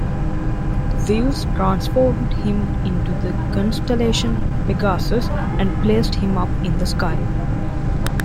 Zeus transformed him into the constellation Pegasus and placed him up in the sky.